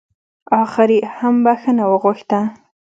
اخر يې هم بښنه وغوښته.